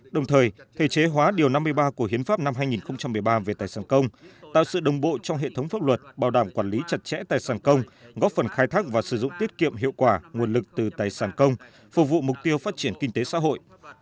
đồng thời thể chế hóa điều năm mươi ba của hiến pháp năm hai nghìn một mươi ba về tài sản công tạo sự đồng bộ trong hệ thống pháp luật bảo đảm quản lý chặt chẽ tài sản công góp phần khai thác và sử dụng tiết kiệm hiệu quả nguồn lực từ tài sản công phục vụ mục tiêu phát triển kinh tế xã hội